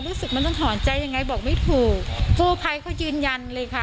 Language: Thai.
รู้สึกมันต้องถอนใจยังไงบอกไม่ถูกกู้ภัยเขายืนยันเลยค่ะ